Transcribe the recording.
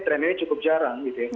trennya ini cukup jarang